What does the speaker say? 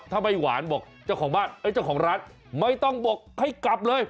ถ้าไม่หวานบอกเจ้าของบ้านเจ้าของร้านไม่ต้องบอกให้กลับเลย